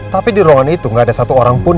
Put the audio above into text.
tapi di ruangan itu gak ada satu orang pun